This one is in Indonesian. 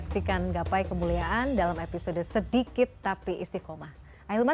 kita harus jeda dulu ya